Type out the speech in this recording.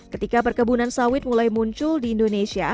ketika perkebunan sawit mulai muncul di indonesia